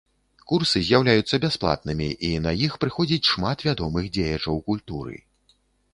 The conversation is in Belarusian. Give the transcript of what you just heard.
Курсы з'яўляюцца бясплатнымі і на іх прыходзіць шмат вядомых дзеячаў культуры.